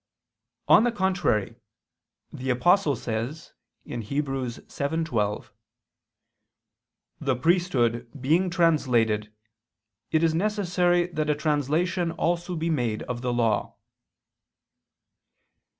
On the contrary, The Apostle says (Heb. 7:12): "The priesthood being translated, it is necessary that a translation also be made of the law."